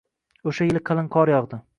O`sha yili qalin qor yog`di